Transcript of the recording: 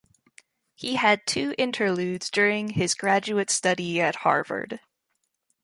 He had two interludes during his graduate study at Harvard.